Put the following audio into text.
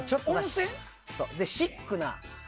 で、シックな。